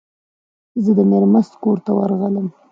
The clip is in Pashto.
زه د میرمست کور ته ورغلم.